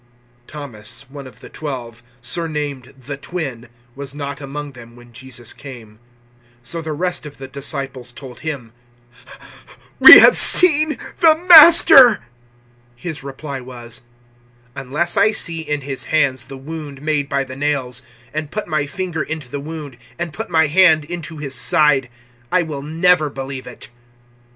020:024 Thomas, one of the twelve surnamed `the Twin' was not among them when Jesus came. 020:025 So the rest of the disciples told him, "We have seen the Master!" His reply was, "Unless I see in his hands the wound made by the nails and put my finger into the wound, and put my hand into his side, I will never believe it."